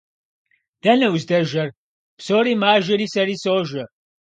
– Дэнэ уздэжэр? – Псори мажэри сэри сожэ.